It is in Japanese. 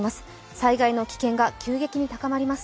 災害の危険が急激に高まります。